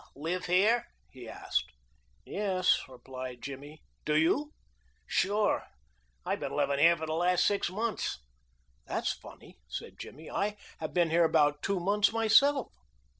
"You live here?" he asked. "Yes," replied Jimmy; "do you?" "Sure, I been livin' here for the last six months." "That's funny," said Jimmy; "I have been here about two months myself."